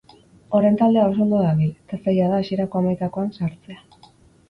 Orain taldea oso ondo dabil, eta zaila da hasierako hamaikakoan sartzea.